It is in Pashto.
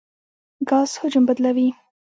ګاز حجم بدلوي.